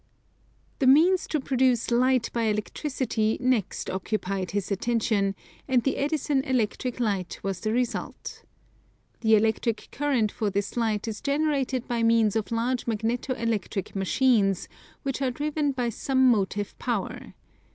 The means to produce light by electricity next occupied his attention, and the Edison Electric Light was the result. The electric current for this light is generated by means of large magneto electric machines, which are driven by some motive power.